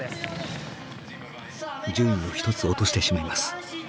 順位を一つ落としてしまいます。